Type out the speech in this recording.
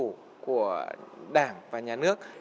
chính phủ của đảng và nhà nước